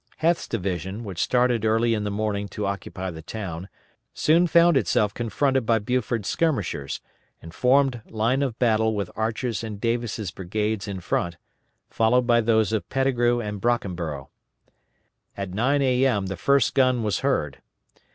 Heth's division, which started early in the morning to occupy the town, soon found itself confronted by Buford's skirmishers, and formed line of battle with Archer's and Davis' brigades in front, followed by those of Pettigrew and Brockenborough. At 9 A.M. the first gun was heard.